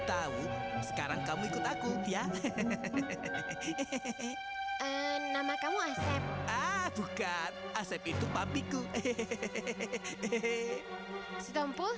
dan sekarang aku berubah jadi manusia